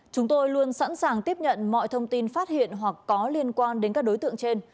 chúng tôi luôn sẵn sàng tiếp nhận mọi thông tin phát hiện hoặc có liên quan đến các đối tượng trên